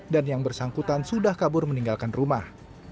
dan yang bersangkutan sudah kabur meninggalkan rumah